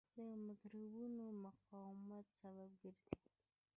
د مکروبونو د مقاومت سبب ګرځي.